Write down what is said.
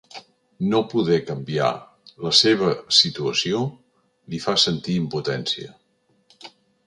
No poder canviar la seva situació li fa sentir impotència.